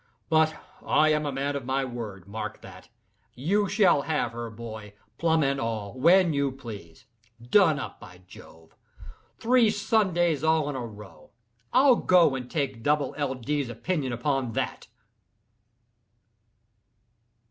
But I am a man of my word—mark that! you shall have her, boy, (plum and all), when you please. Done up, by Jove! Three Sundays all in a row! I'll go, and take Dubble L. Dee's opinion upon that."